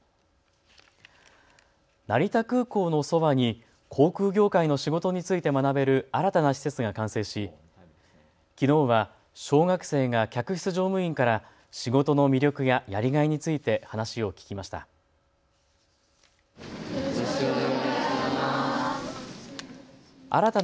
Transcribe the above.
成田空港のそばに航空業界の仕事について学べる新たな施設が完成し、きのうは小学生が客室乗務員から仕事の魅力ややりがいについて話を聞きました。